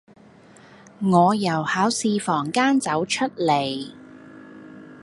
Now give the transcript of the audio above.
我由考試房間走出嚟